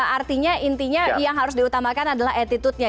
artinya intinya yang harus diutamakan adalah attitude nya